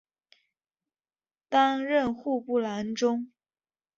担任户部郎中。